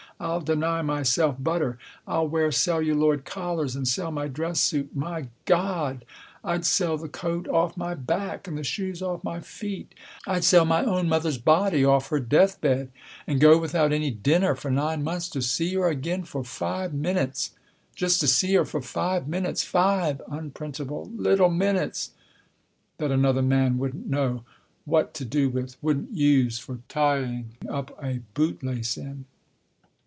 I'll deny myself butter. I'll wear celluloid collars and sell my dress suit. My God ! I'd sell the coat off my back and the shoes off my feet ; I'd sell my own mother's body off her death bed, and go without my dinner for nine months to see her again for five minutes. Just to see her for five minutes. Five (unprintable) little minutes that another man wouldn't know what to do with, wouldn't use for tying up a bootlace in."